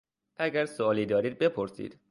اگر سئوالی دارید بپرسید!